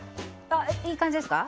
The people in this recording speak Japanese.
ああいい感じですか？